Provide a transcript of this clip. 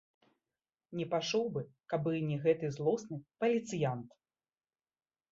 Не пайшоў бы, каб не гэты злосны паліцыянт.